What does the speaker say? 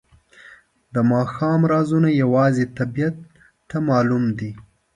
د ماښام رازونه یوازې طبیعت ته معلوم دي.